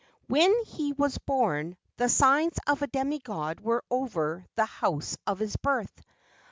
When he was born, the signs of a demi god were over the house of his birth.